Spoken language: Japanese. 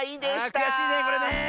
ああくやしいねこれねえ。